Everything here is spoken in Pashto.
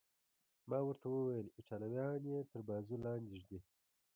ما ورته وویل: ایټالویان یې تر بازو لاندې ږدي.